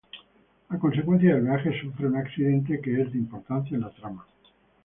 A consecuencia del viaje sufre un accidente que es de importancia en la trama.